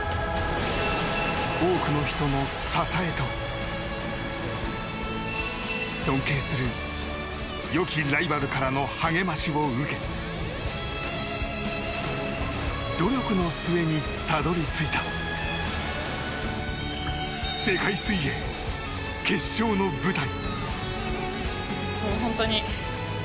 多くの人の支えと尊敬するよきライバルからの励ましを受け努力の末にたどり着いた世界水泳、決勝の舞台。